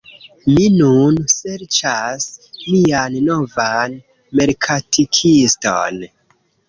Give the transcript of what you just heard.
Mi nun serĉas mian novan merkatikiston